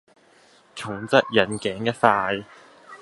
重則引頸一快